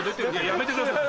やめてください。